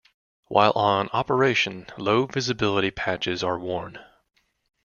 While on operation, low-visibility patches are worn.